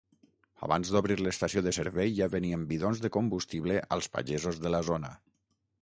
Abans d'obrir l'estació de servei ja venien bidons de combustible als pagesos de la zona.